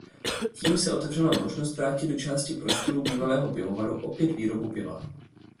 Tím se otevřela možnost vrátit do části prostorů bývalého pivovaru opět výrobu piva.